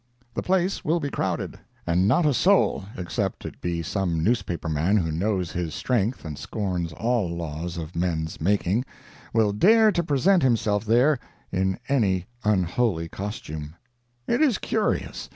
The place will be crowded, and not a soul, except it be some newspaper man who knows his strength and scorns all laws of men's making, will dare to present himself there in any unholy costume. It is curious.